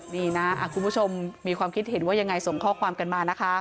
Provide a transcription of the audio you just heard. นี่นะคุณผู้ชมมีความคิดเห็นว่ายังไงส่งข้อความกันมานะคะ